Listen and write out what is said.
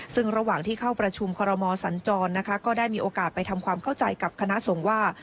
ซึ่งระหว่างที่เข้าประชุมคอรมอสัญจรนะคะก็ได้มีโอกาสไปทำความเข้าใจกับคณะสงฆ์ว่า